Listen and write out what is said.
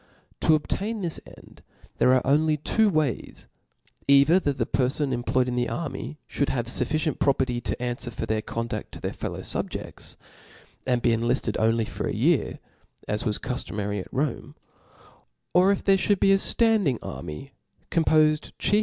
To ob^ tain this end, there are only two ways, either that the perfons employed in the army, fliould have fuf ficient property to anfwer for their conduft to their fellow fubjeifts, and be enlift:ed only for a year, as was cuftomary at Rome : or if there fliould be a ftanding army compofed chiefl.